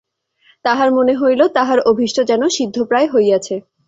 তাহার মনে হইল, তাহার অভীষ্ট যেন সিদ্ধপ্রায় হইয়াছে।